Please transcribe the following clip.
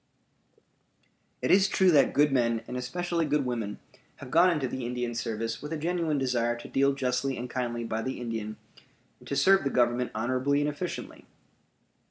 It is true that good men and especially good women have gone into the Indian service with a genuine desire to deal justly and kindly by the Indian and to serve the Government honorably and efficiently.